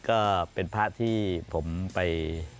ก็เป็นพระที่ผมไป